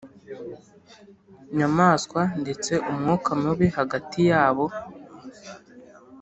nyamwasa ndetse umwuka mubi hagati yabo